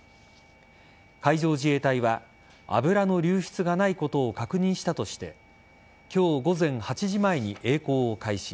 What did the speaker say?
海上自衛隊は油の流出がないことを確認したとして今日午前８時前にえい航を開始。